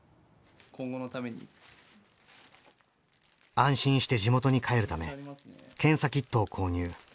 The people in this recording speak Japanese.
安心して地元に帰るため検査キットを購入。